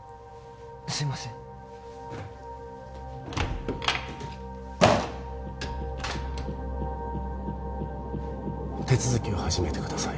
すいません手続きを始めてください